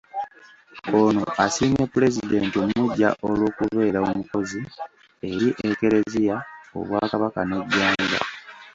Ono asiimye Pulezidenti omuggya olw’okubeera omukozi eri eklezia, Obwakabaka n’eggwanga.